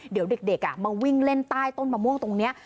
เดี๋ยวเด็กมาวิ่งเล่นใต้ต้นมะม่วงตรงนี้